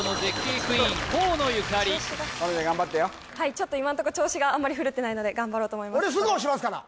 ちょっと今のとこ調子があんまりふるってないので頑張ろうと思いますおおっ